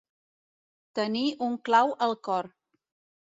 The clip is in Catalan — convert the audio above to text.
Tenir un clau al cor.